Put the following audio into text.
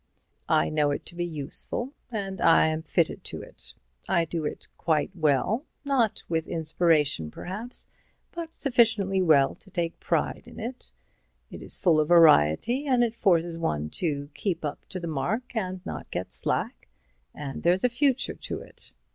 I know it to be useful, and I am fitted to it. I do it quite well—not with inspiration, perhaps, but sufficiently well to take a pride in it. It is full of variety and it forces one to keep up to the mark and not get slack. And there's a future to it.